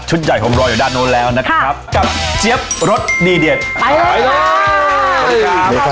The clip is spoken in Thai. ชุดใหญ่ของเราอยู่ด้านโน้นแล้วนะครับครับกับเจี๊ยบรสดีเด็ดไปเลยค่ะ